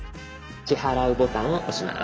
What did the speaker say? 「支払う」ボタンを押します。